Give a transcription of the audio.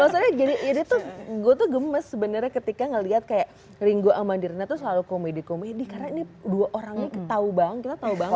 maksudnya jadi itu gue tuh gemes sebenarnya ketika ngelihat kayak ringo sama dirina tuh selalu komedi komedi karena ini dua orangnya tau banget kita tau banget